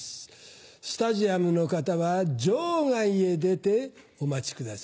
スタジアムの方は場外へ出てお待ち下さい。